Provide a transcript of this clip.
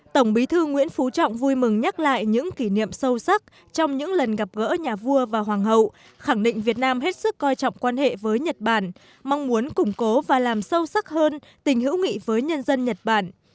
tổng bí thư nguyễn phú trọng vui mừng nhắc lại những kỷ niệm sâu sắc trong những lần gặp gỡ nhà vua và hoàng hậu khẳng định việt nam hết sức coi trọng quan hệ với nhật bản mong muốn củng cố và làm sâu sắc hơn tình hữu nghị với nhân dân nhật bản